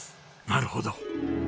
なるほど。